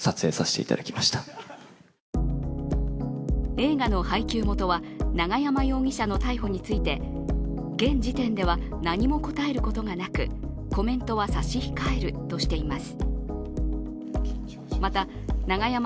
映画の配給元は永山容疑者の逮捕について現時点では何も答えることがなくコメントは差し控えるとしています。